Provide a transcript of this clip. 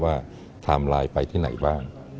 ว่าทำรายไปที่ไหนบ้าง